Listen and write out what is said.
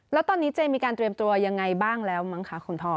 แล้วตอนนี้เจมีการเตรียมตัวยังไงบ้างแล้วมั้งคะคุณพ่อ